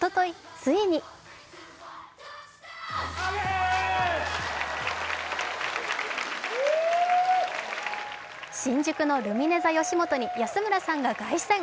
ついに新宿のルミネｔｈｅよしもとに安村さんが凱旋。